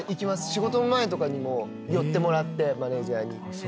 仕事の前とかにも寄ってもらってマネジャーに。